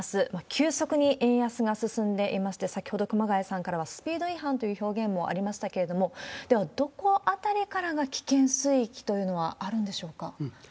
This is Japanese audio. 急速に円安が進んでいまして、先ほど熊谷さんからは、スピード違反という表現もありましたけれども、では、どこあたりからが危険水域というのはあるんでしょうか？